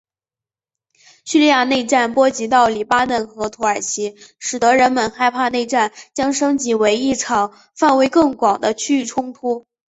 叙利亚内战波及到黎巴嫩和土耳其使得人们害怕内战将升级为一场范围更广的区域冲突。